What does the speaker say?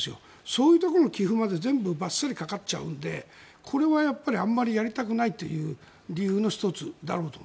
そういうところの寄付まで全部バッサリかかるのでこれはあまりやりたくないという理由の１つだろうと。